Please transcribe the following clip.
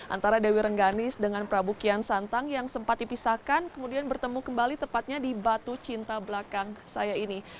antara dewi rengganis dengan prabu kian santang yang sempat dipisahkan kemudian bertemu kembali tepatnya di batu cinta belakang saya ini